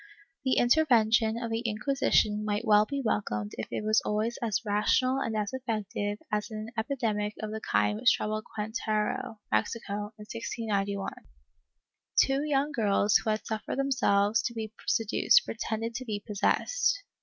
^ The intervention of the Inquisition might well be welcomed if it was always as rational and as effective as in an epidemic of the kind which troubled Queretaro (Mexico) in 1691. Two young girls who had suffered themselves to be seduced pretended to be possessed.